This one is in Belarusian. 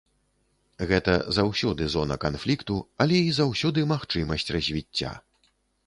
Гэта заўсёды зона канфлікту, але і заўсёды магчымасць развіцця.